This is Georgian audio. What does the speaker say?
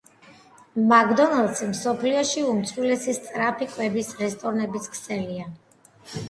მაკდონალდსი მსოფლიოში უმსხვილესი სწრაფი კვების რესტორნების ქსელია